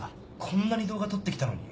こんなに動画撮ってきたのに？